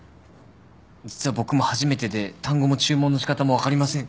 実は僕も初めてで単語も注文の仕方も分かりません。